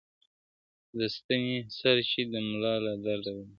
د ستني سر چــي د ملا له دره ولـويـــږي.